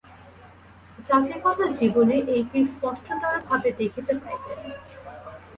জাতিগত জীবনে এইটি স্পষ্টতরভাবে দেখিতে পাইবেন।